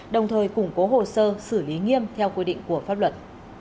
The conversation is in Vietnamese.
đồng thời củng cố hồ sơ xử lý nghiêm theo quy định của pháp luật